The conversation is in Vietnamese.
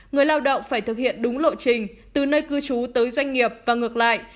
người lao động phải thực hiện đúng lộ trình từ nơi cư trú tới doanh nghiệp và ngược lại